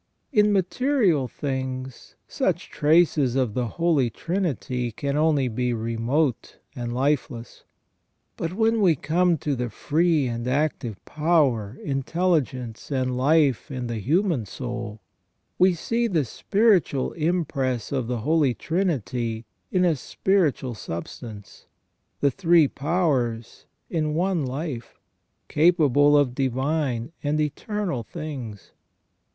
In material things such traces of the Holy Trinity can only be remote and lifeless. But when we come to the free and active power, intelligence and life in the human soul, we see the spiritual impress of the Holy Trinity in a spiritual substance, the three powers in one life, capable of divine and eternal things.